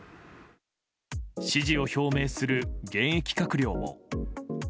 支持を表明する現役閣僚も。